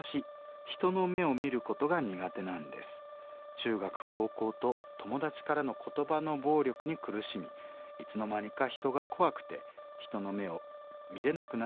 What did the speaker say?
中学高校と友達からの言葉の暴力に苦しみいつの間にか人が怖くて人の目を見れなくなってしまいました。